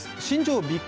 新庄